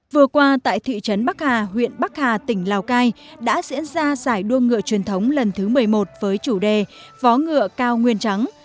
vừa qua tại thị trấn bắc hà huyện bắc hà tỉnh lào cai đã diễn ra giải đua ngựa truyền thống lần thứ một mươi một với chủ đề vó ngựa cao nguyên trắng